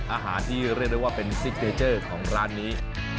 อาหารที่เรียกได้ว่าเป็นซิกเนเจอร์ของร้านนี้